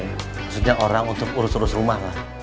maksudnya orang untuk urus urus rumah lah